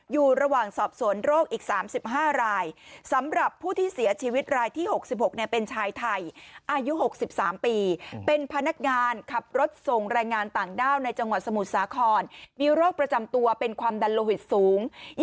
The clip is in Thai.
อยู่ระหว่างสอบสวนโรคอีก๓๕รายสำหรับผู้ที่เสียชีวิตรายที่๖๖เป็นชายไทยอายุ๖๓ปีเป็นพนักงานขับรถส่งแรงงานต่างด้าวในจังหวัดสมุทรสาครมีโรคประจำตัวเป็นความดันโลหิตสูง